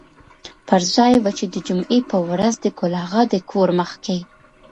پر ځای و چې د جمعې په ورځ د ګل اغا د کور مخکې.